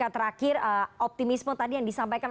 terakhir optimisme tadi yang disampaikan